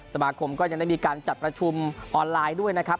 สมาคมก็ยังได้มีการจัดประชุมออนไลน์ด้วยนะครับ